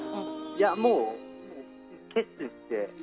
もう、決意して。